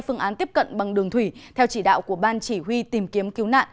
phương án tiếp cận bằng đường thủy theo chỉ đạo của ban chỉ huy tìm kiếm cứu nạn